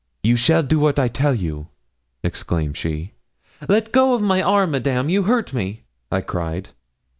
'You shall do wat I tell you!' exclaimed she. 'Let go my arm, Madame, you hurt me,' I cried.